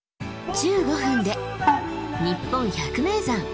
１５分で「にっぽん百名山」。